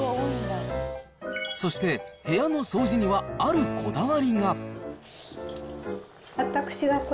そして、部屋の掃除にはあるこだわりが。